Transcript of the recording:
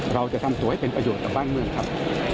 เราจะทำตัวให้เป็นประโยชน์ต่อบ้านเมืองครับ